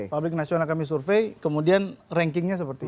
publik nasional kami survei kemudian rankingnya seperti